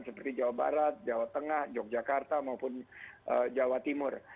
seperti jawa barat jawa tengah yogyakarta maupun jawa timur